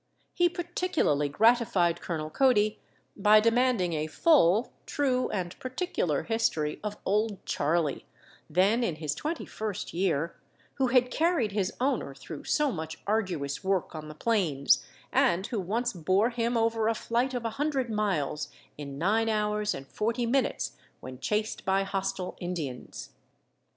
He particularly gratified Colonel Cody by demanding a full, true, and particular history of Old Charlie then in his twenty first year who had carried his owner through so much arduous work on the plains and who once bore him over a flight of 100 miles in nine hours and forty minutes when chased by hostile Indians.